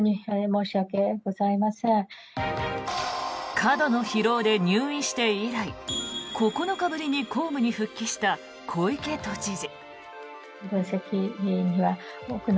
過度の疲労で入院して以来９日ぶりに公務に復帰した小池都知事。